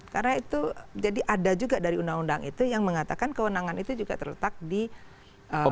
karena itu jadi ada juga dari undang undang itu yang mengatakan kewenangan itu juga terletak di jakarta